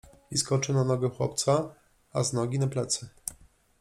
I skoczył na nogę chłopca, a z nogi na plecy.